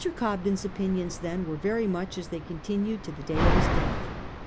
Cobden's opinions then were very much as they continued to the day of his death.